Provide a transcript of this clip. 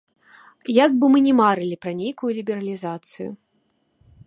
Як бы мы ні марылі пра нейкую лібералізацыю.